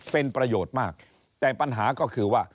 เป็นประโยชน์มากแต่ปัญหาก็คือว่า